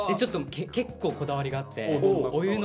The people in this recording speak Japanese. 結構こだわりがあって。